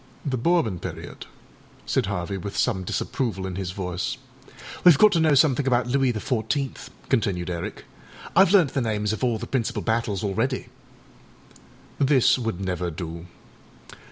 â âThe Bourbon period,â said Harvey, with some disapproval in his voice. âWeâve got to know something about Louis the Fourteenth,â continued Eric; âIâve learnt the names of all the principal battles already.â This would never do.